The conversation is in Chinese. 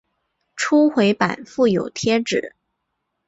初回版附有贴纸。